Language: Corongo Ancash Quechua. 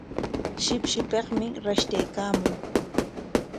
Shipshipikmi rashtaykaamun.